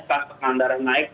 kelas tekanan darah naik